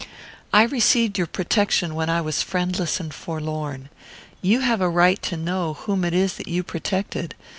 "I received your protection when I was friendless and forlorn. You have a right to know whom it is that you protected.